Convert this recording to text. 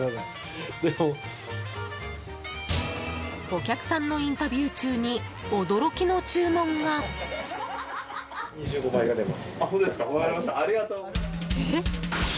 お客さんのインタビュー中に驚きの注文が。え？